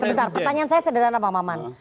sebetulnya pertanyaan saya sederhana pak maman